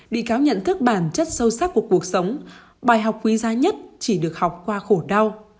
bị cáo nhận thức bản chất sâu sắc của cuộc sống bài học quý giá nhất chỉ được học qua khổ đau